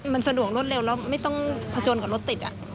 มันสะดวกรวดเร็วแล้วไม่ต้องผจญกับรถติด